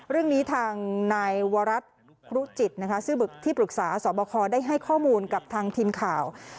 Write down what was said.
เรื่องนี้ทางนายวรัฐครุจิตนะคะซึ่งที่ปรึกษาสอบคอได้ให้ข้อมูลกับทางทีมข่าว